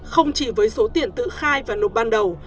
không chỉ với số tiền tự khai và nộp ban đầu